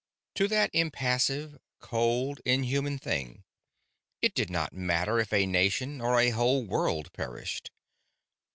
To that impassive, cold, inhuman thing, it did not matter if a nation or a whole world perished.